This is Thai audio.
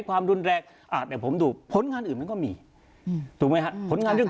ความรุนแรงอ่าเดี๋ยวผมดูผลงานอื่นมันก็มีถูกไหมฮะผลงานเรื่อง